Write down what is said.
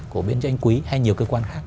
của biên doanh quý hay nhiều cơ quan khác